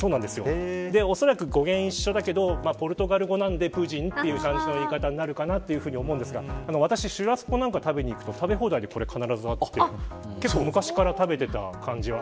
おそらく語源は一緒だけどポルトガル語なのでプヂンという感じになると思いますが私、シュラスコなどを食べに行くと、食べ放題で結構、昔から食べていた感じで。